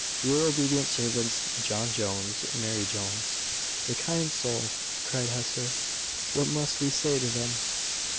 "Your obedient servants, "John Jones, "Mary Jones." "The kind soul!" cried Hester. "What must we say to them?"